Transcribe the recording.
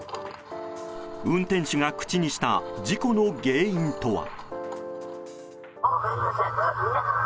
運転手が口にした事故の原因とは。